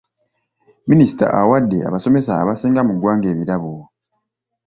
Minisita awadde abasomesa abasinga mu ggwanga ebirabo.